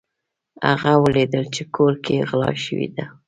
هغه ولیدل چې کور کې غلا شوې ده.